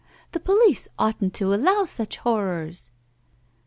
The police oughtn't to allow such horrors!